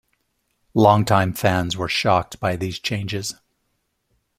Longtime fans were shocked by these changes.